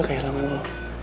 kayak ilham lo